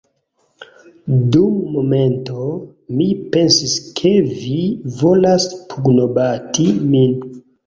Dum momento, mi pensis, ke vi volas pugnobati min